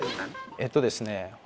えっとですね